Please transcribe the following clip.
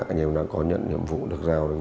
anh em đã có nhận nhiệm vụ được giao